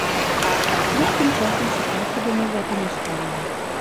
А клуб тым часам шукае сабе новае памяшканне.